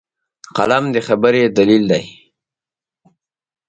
قلم د خبرې دلیل دی